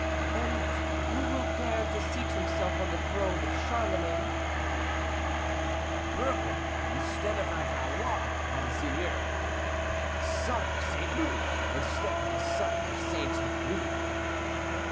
"And who will dare to seat himself on the throne of Charlemagne?" "A Bourbon instead of a Valois, monseigneur; a son of St, Louis, instead of a son of St. Louis."